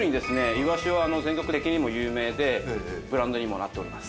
いわしは全国的にも有名でブランドにもなっております。